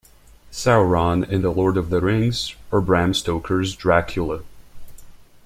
Sauron in "The Lord of the Rings" or Bram Stoker's "Dracula".